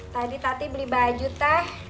tadi tati beli baju teh